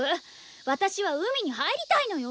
私は海に入りたいのよ！